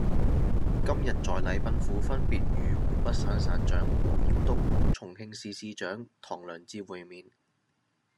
今日在禮賓府分別與湖北省省長王曉東、重慶市市長唐良智會面